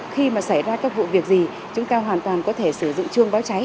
khi mà xảy ra các vụ việc gì chúng ta hoàn toàn có thể sử dụng chuông báo cháy